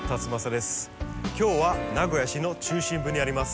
今日は名古屋市の中心部にあります